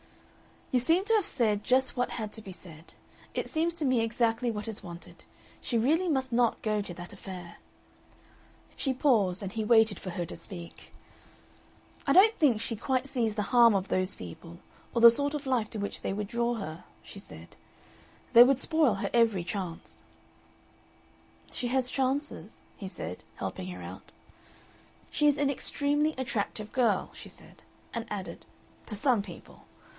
"You seem to have said just what had to be said. It seems to me exactly what is wanted. She really must not go to that affair." She paused, and he waited for her to speak. "I don't think she quite sees the harm of those people or the sort of life to which they would draw her," she said. "They would spoil every chance." "She has chances?" he said, helping her out. "She is an extremely attractive girl," she said; and added, "to some people.